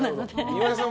岩井さん